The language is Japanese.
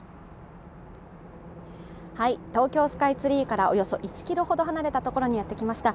東京スカイツリーからおよそ１ｋｍほど離れたところにやってきました。